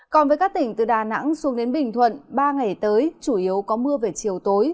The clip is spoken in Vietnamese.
còn với các tỉnh từ đà nẵng xuống đến bình thuận ba ngày tới chủ yếu có mưa về chiều tối